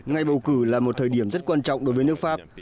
ngày bầu cử là một thời điểm rất quan trọng đối với nước pháp